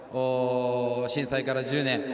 震災から１０年